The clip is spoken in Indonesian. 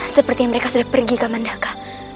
seperti mereka sudah pergi kak mandiaka